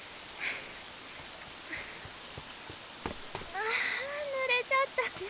・ああぬれちゃった。